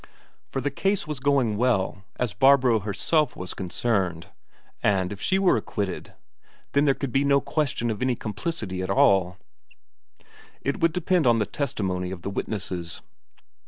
For the case was going well as far as Barbro herself was concerned, and if she were acquitted, then there could be no question of any complicity at all. It would depend on the testimony of the witnesses.